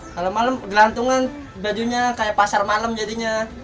kalau malem gelantungan bajunya kayak pasar malem jadinya